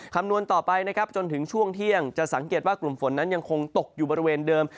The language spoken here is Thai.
คำนวณต่อไปนะครับจนถึงช่วงเที่ยงจะสังเกตว่ากลุ่มฝนนั้นยังคงตกอยู่บริเวณเดิม